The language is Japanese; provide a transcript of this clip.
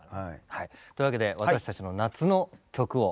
はいというわけで私たちの夏の曲を。